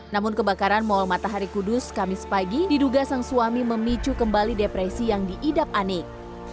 namun kebakaran mall matahari kudus kamis pagi diduga sang suami memicu kembali depresi yang diidap anik